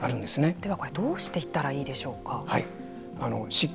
ではこれどうしていったらいいでしょうか。